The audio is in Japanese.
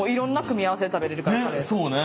そうね。